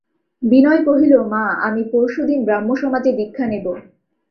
বিনয় কহিল, মা, আমি পরশু দিন ব্রাহ্মসমাজে দীক্ষা নেব।